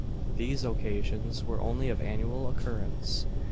These occasions were only of annual occurrence.